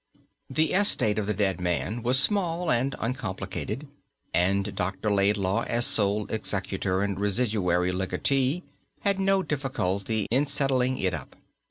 4 The estate of the dead man was small and uncomplicated, and Dr. Laidlaw, as sole executor and residuary legatee, had no difficulty in settling it up.